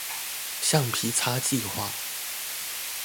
橡皮擦計畫